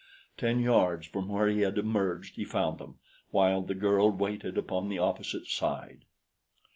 Ten yards from where he had emerged he found them, while the girl waited upon the opposite side.